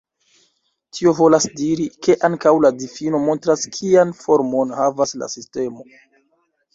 Tio volas diri, ke ankaŭ la difino montras kian formon havas la sistemo.